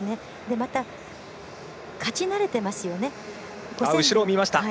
また、勝ち慣れてますよね。